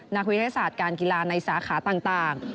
นักวิทยาศาสตร์การกีฬาในสาขาต่าง